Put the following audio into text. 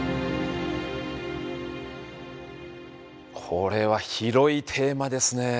これは広いテーマですねえ。